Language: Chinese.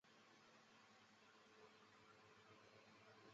武藏沟之口站南武线的铁路车站。